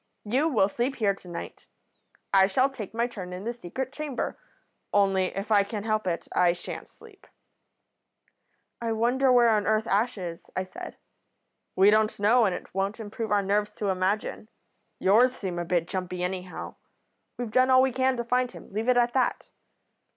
You will sleep here to night. I shall take my turn in the secret chamber; only, if I can help it, I shan't sleep.' "'I wonder where on earth Ash is,' I said. "'We don't know and it won't improve our nerves to imagine. Yours seem a bit jumpy anyhow. We've done all we can to find him. Leave it at that.'